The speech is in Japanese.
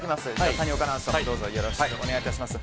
谷岡アナウンサーもよろしくお願いします。